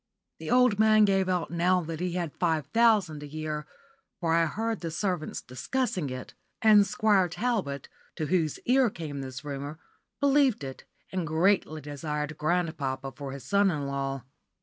The old man gave out now that he had five thousand a year, for I heard the servants discussing it; and Squire Talbot, to whose ear came this rumour, believed it, and greatly desired grandpapa for his son in law.